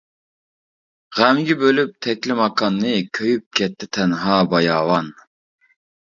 غەمگە بۆلەپ تەكلىماكاننى، كۆيۈپ كەتتى تەنھا باياۋان.